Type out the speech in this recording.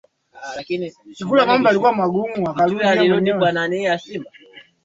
mshindi mmoja wa Tuzo ya Lenin Pia kuna